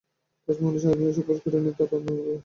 তাজমহলে শাজাহানের শোক প্রকাশ পায় নি, তাঁর আনন্দ রূপ ধরেছে।